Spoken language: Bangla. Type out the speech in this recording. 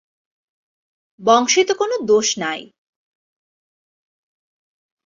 বংশে তো কোনো দোষ নাই?